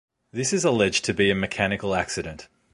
This is alleged to be a mechanical accident.